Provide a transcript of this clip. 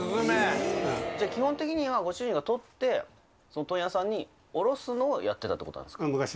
じゃあ、基本的にはご主人が取って、問屋さんに卸すのをやってたってことなんですか。